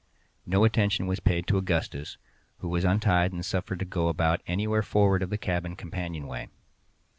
No attention was paid to Augustus, who was untied and suffered to go about anywhere forward of the cabin companion way.